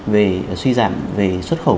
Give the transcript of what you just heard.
về suy giảm về xuất khẩu